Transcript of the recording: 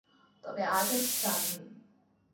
তবে আজ আছি কাল নেই।